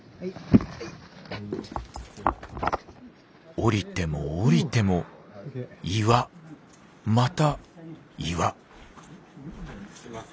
降りても降りても岩また岩。